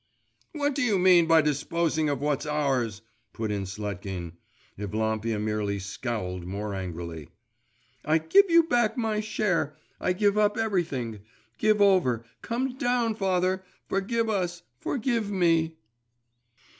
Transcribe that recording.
'What do you mean by disposing of what's ours?' put in Sletkin. Evlampia merely scowled more angrily. 'I give you back my share. I give up everything. Give over, come down, father! Forgive us; forgive me.